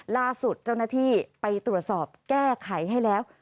ล่าสุดเจ้าหน้าที่ไปตรวจสอบแก้ไขให้แล้ว